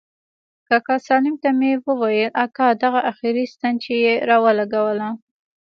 کاکا سالم ته مې وويل اكا دغه اخري ستن چې يې راولګوله.